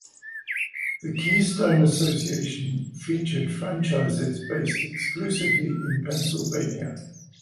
The Keystone Association featured franchises based exclusively in Pennsylvania.